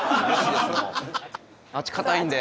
あっち硬いんで。